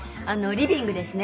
リビングですね。